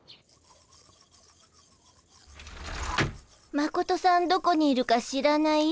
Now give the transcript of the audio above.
マコトさんどこにいるか知らない？